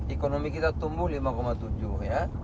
ekonomi kita tumbuh lima tujuh ya